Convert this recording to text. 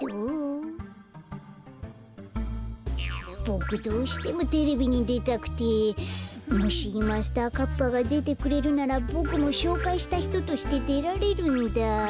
ボクどうしてもテレビにでたくて。もしマスターカッパがでてくれるならボクもしょうかいしたひととしてでられるんだ。